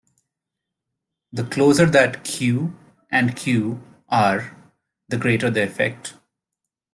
The closer that "q" and "q" are, the greater the effect.